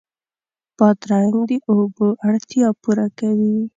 بادرنګ د اوبو اړتیا پوره کوي.